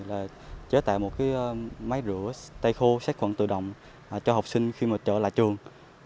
thầy đã chế tạo một máy rửa tay khô sát khuẩn tự động cho học sinh khi trở lại trường